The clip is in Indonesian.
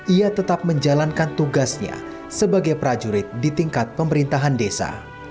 ia tetap menjalankan tugasnya sebagai prajurit di tingkat pemerintahan desa